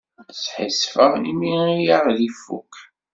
Sḥissifeɣ imi ay aɣ-ifuk.